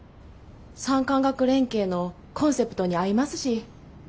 産官学連携のコンセプトに合いますし。